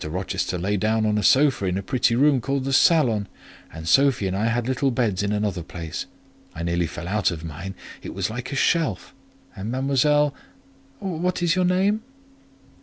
Rochester lay down on a sofa in a pretty room called the salon, and Sophie and I had little beds in another place. I nearly fell out of mine; it was like a shelf. And Mademoiselle—what is your name?"